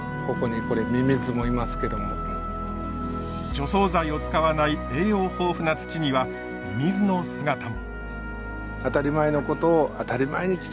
除草剤を使わない栄養豊富な土にはミミズの姿も。